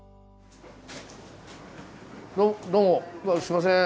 どうもすいません。